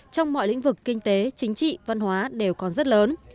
trong mọi lĩnh vực kinh tế chính trị văn hóa đều còn rất lớn